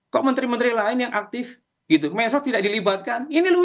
kok menteri menteri lain yang aktif mensos tidak dilibatkan ini lucu gitu